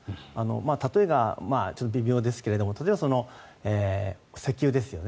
例えが微妙ですけれど例えば石油ですよね。